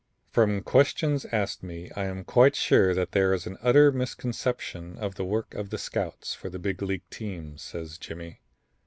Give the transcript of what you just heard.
"From questions asked me I am quite sure that there is an utter misconception of the work of the scouts for the big league teams," says Jimmy.